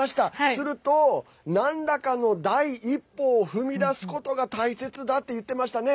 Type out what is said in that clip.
すると、なんらかの第一歩を踏み出すことが大切だって言ってましたね。